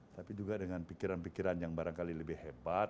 tapi juga dengan pikiran pikiran yang barangkali lebih hebat